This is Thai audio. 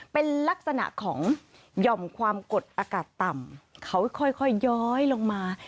เป็นลักษณะของหย่อมความกดอากาศต่ำเขาค่อยย้อยลงมา